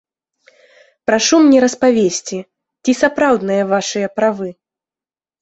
Прашу мне распавесці, ці сапраўдныя вашыя правы?